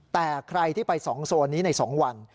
แต่ใครที่ไป๒โซนนี้ใน๒วัน